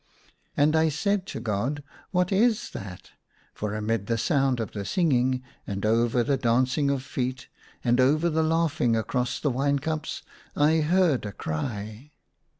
And I said to God, " What is that ?" For amid the sound of the singing, and over the dancing of feet, and over the laughing across the wine cups I heard a cry.